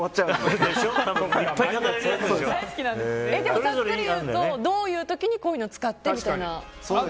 ざっくり言うと、どういう時にこういうの使ってみたいな。